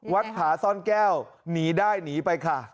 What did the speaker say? ผาซ่อนแก้วหนีได้หนีไปค่ะ